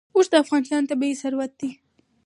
اوښ د افغانستان طبعي ثروت دی.